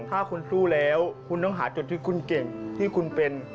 ถ้าคุณสู้แล้วคุณต้องหาจุดที่คุณเก่งที่คุณเป็น